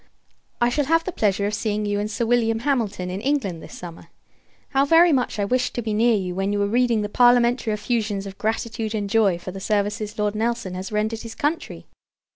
I shall have the pleasure of seeing you and Sir William Hamilton in England, this summer. How very much I wished to be near you, when you were reading the parliamentary effusions of gratitude and joy for the services Lord Nelson has rendered his country!